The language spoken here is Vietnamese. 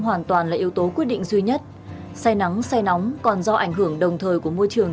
hoàn toàn là yếu tố quyết định duy nhất say nắng say nóng còn do ảnh hưởng đồng thời của môi trường